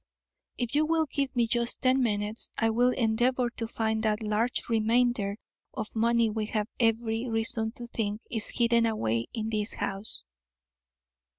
"If you will give me just ten minutes I will endeavour to find that large remainder of money we have every reason to think is hidden away in this house."